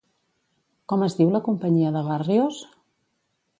Com es diu la companyia de Barrios?